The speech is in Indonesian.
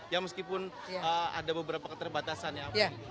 ya meskipun ada beberapa keterbatasan ya